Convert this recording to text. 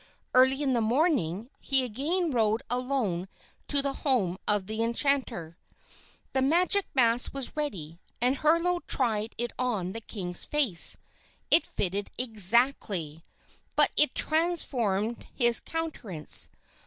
Early in the morning, he again rode alone to the home of the enchanter. The magic mask was ready, and Herlo tried it on the king's face. It fitted exactly, but it transformed his countenance.